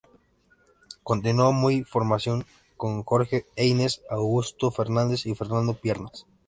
Continuó su formación con Jorge Eines, Augusto Fernandes y Fernando Piernas.